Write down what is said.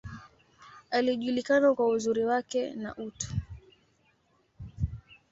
Alijulikana kwa uzuri wake, na utu.